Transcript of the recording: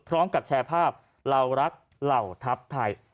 พร้อมกับแชร์ภาพเรารักเหล่าทัพไทย